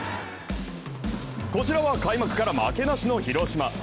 こちらは開幕から負けなしの広島。